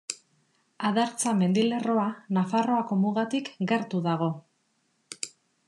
Adartza mendilerroa, Nafarroako mugatik gertu dago.